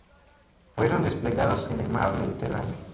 Fueron desplegados en el Mar Mediterráneo.